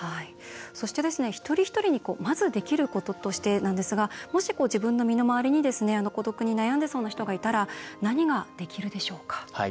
そして、一人一人にまずできることとしてなんですがもし自分の身の回りに孤独に悩んでそうな人がいたら何ができるでしょうか。